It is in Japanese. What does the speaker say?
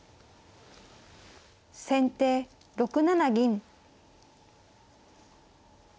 先手６七銀。